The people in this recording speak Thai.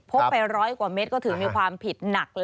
พบไปร้อยกว่าเม็ด